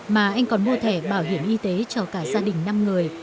mà anh còn mua thẻ bảo hiểm y tế cho cả gia đình năm người